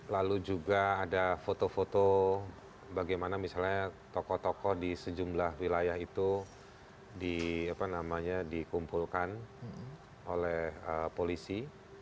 lalu juga ada foto foto bagaimana misalnya tokoh tokoh di sejumlah wilayah itu dikumpulkan oleh polisi